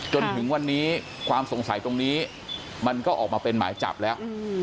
จนถึงวันนี้ความสงสัยตรงนี้มันก็ออกมาเป็นหมายจับแล้ว